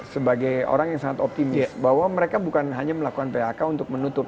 sebagai orang yang sangat optimis bahwa mereka bukan hanya melakukan phk untuk menutup